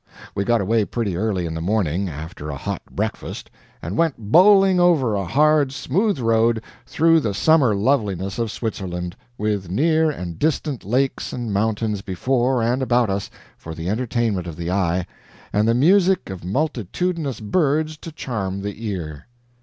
We got away pretty early in the morning, after a hot breakfast, and went bowling over a hard, smooth road, through the summer loveliness of Switzerland, with near and distant lakes and mountains before and about us for the entertainment of the eye, and the music of multitudinous birds to charm the ear.